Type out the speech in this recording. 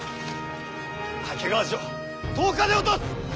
掛川城１０日で落とす！